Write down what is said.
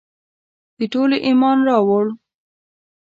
ټولو ایمان راووړ.